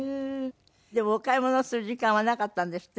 でもお買い物する時間はなかったんですって？